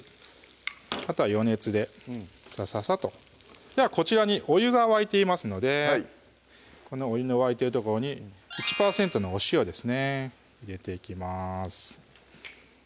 あとは余熱でさささっとではこちらにお湯が沸いていますのでこのお湯の沸いてるところに１％のお塩ですね入れていきます